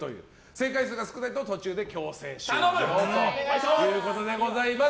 正解数が少ないと途中で強制終了ということでございます。